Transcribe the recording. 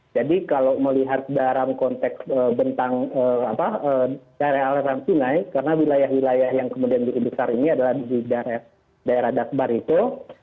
jadi kalau melihat dalam konteks bentang daerah alasan sungai karena wilayah wilayah yang kemudian diinduskan ini adalah di daerah dasbar itu